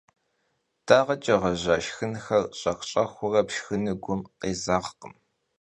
Dağeç'e ğeja şşxınxer ş'ex - ş'exıure pşşxınır gum khêzeğkhım.